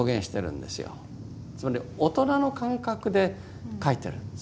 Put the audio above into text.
つまり大人の感覚で書いてるんです。